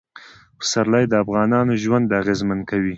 پسرلی د افغانانو ژوند اغېزمن کوي.